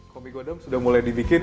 kopi godam sudah mulai dibikin